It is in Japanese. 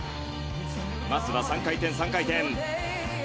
まずは３回転、３回転。